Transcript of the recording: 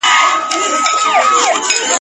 پرون یې بیا له هغه ښاره جنازې وایستې ..